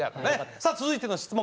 さあ続いての質問